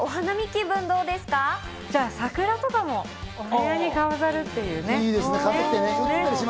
桜とかも、お部屋に飾るっていうね。